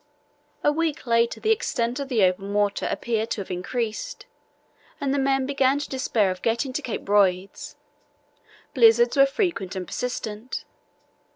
A week later the extent of the open water appeared to have increased, and the men began to despair of getting to Cape Royds. Blizzards were frequent and persistent.